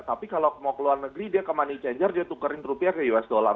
tapi kalau mau keluar negeri dia ke money changer dia tukerin rupiah ke us dollar